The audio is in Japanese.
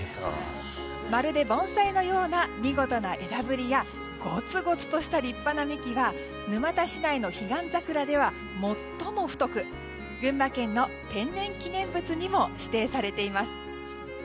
まるで盆栽のような見事な枝ぶりやごつごつとした立派な幹は沼田市内のヒガンザクラでは最も太く群馬県の天然記念物にも指定されています。